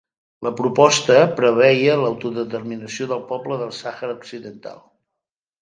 La proposta preveia l'autodeterminació del poble del Sàhara Occidental.